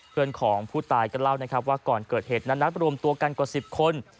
เพื่อนของผู้ตายก็เล่านะครับว่าก่อนเกิดเหตุนั้นนัดรวมตัวกันกว่า๑๐คน